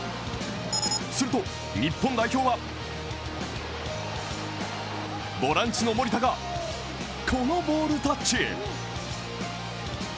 すると日本代表は、ボランチの守田がこのボールタッチ。